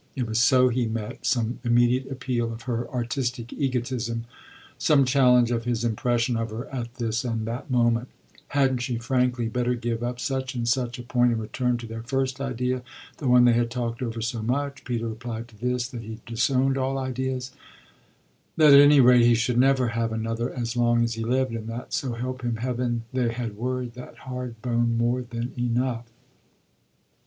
it was so he met some immediate appeal of her artistic egotism, some challenge of his impression of her at this and that moment. Hadn't she frankly better give up such and such a point and return to their first idea, the one they had talked over so much? Peter replied to this that he disowned all ideas; that at any rate he should never have another as long as he lived, and that, so help him heaven, they had worried that hard bone more than enough.